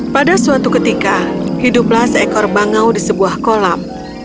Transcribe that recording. pada suatu ketika hiduplah seekor bangau di sebuah kolam